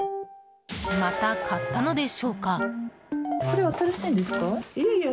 また買ったのでしょうか？